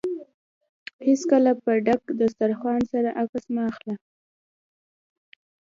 هېڅکله په ډک دوسترخان سره عکس مه اخله.